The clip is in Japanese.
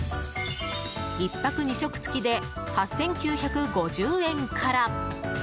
１泊２食付きで８９５０円から。